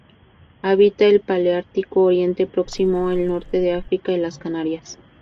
Habita en el paleártico: Oriente Próximo, el norte de África y las Canarias.